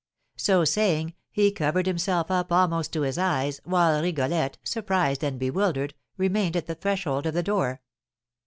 So saying, he covered himself up almost to his eyes, while Rigolette, surprised and bewildered, remained at the threshold of the door.